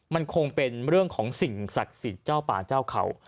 มันคงเป็นเรื่องของสิ่งศักดิ์สิทธิ์เจ้าป่าเจ้าเขา